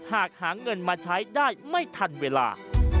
หากหาเงินมาใช้ได้ไม่ทันเวลา